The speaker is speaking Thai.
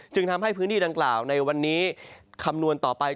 จึงทำให้พื้นที่ดังกล่าวในวันนี้คำนวณต่อไป